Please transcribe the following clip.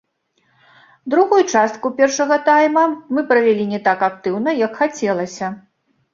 Другую частку першага тайма мы правялі не так актыўна, як хацелася.